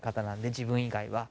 自分以外は。